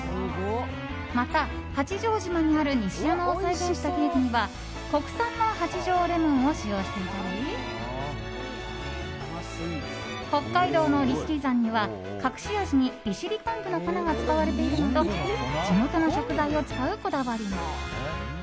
また、八丈島にある西山を再現したケーキには国産の八丈レモンを使用していたり北海道の利尻山には隠し味に利尻昆布の粉が使われているなど地元の食材を使うこだわりも。